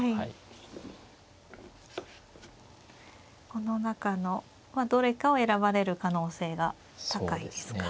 この中のどれかを選ばれる可能性が高いですか。